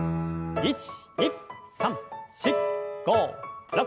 １２３４５６。